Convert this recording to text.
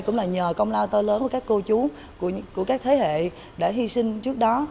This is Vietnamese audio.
cũng là nhờ công lao to lớn của các cô chú của các thế hệ đã hy sinh trước đó